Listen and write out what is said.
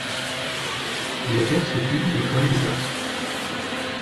Les pères s'occupent d'écoles de garçons.